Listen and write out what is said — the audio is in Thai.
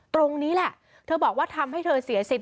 ตรงนี้แหละเธอบอกว่าทำให้เธอเสียสิท